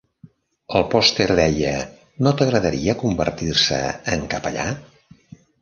El pòster deia: No t"agradaria convertir-se en capellà?